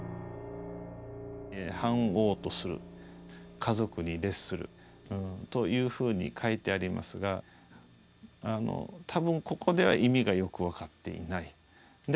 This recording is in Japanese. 「藩王とする」「華族に列する」というふうに書いてありますが多分ここでは意味がよく分かっていない。